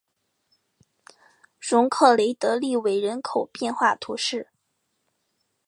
容克雷德利韦人口变化图示